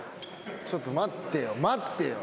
ちょっと待ってよ待ってよ。